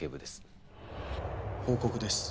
報告です。